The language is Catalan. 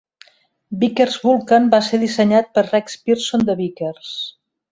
Vickers Vulcan va ser dissenyat per Rex Pierson de Vickers.